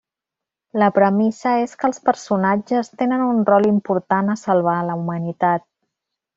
La premissa és que els personatges tenen un rol important a salvar a la humanitat.